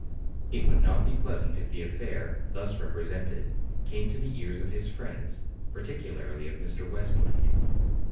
It would not be pleasant if the affair, thus represented, came to the ears of his friends, particularly of Mr. Westlake.